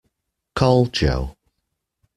Call Joe.